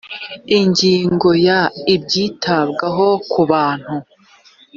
ingingo ya ibyitabwaho ku bantu